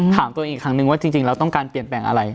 ถามตัวเองอีกครั้งนึงว่าจริงแล้วต้องการเปลี่ยนแปลงอะไร